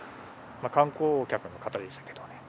観光客の方でしたけどね。